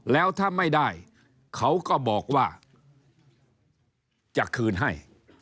แล้วถ้าไม่ได้เขาก็บอกว่าจะคืนให้